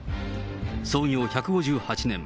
創業１５８年。